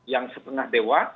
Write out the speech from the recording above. yang setengah dewa